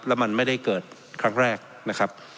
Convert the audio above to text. แล้วมันไม่ได้เกิดครั้งแรกนะครับ